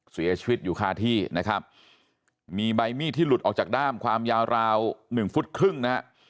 เสียชีวิตอยู่คาที่นะครับมีใบมีดที่หลุดออกจากด้ามความยาวราวหนึ่งฟุตครึ่งนะฮะ